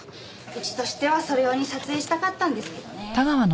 うちとしてはそれ用に撮影したかったんですけどね。